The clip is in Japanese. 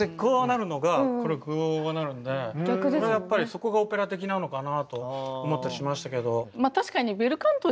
やっぱりそこがオペラ的なのかなと思ったりしましたけど。